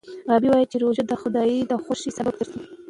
غابي وايي چې روژه د خدای د خوښۍ سبب ګرځي.